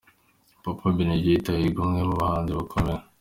Papa Benedigito ahiga umwe mubahanzi bakomeye